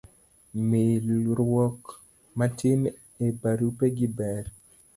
milruok matin e barupe gi ber